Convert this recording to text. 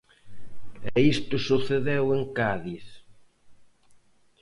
E isto sucedeu en Cádiz.